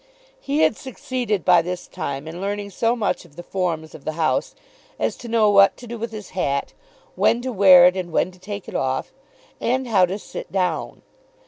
He had succeeded by this time in learning so much of the forms of the House as to know what to do with his hat, when to wear it, and when to take it off, and how to sit down.